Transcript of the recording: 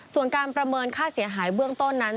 ส่วนการประเมินค่าเสียหายเบื้องต้นนั้น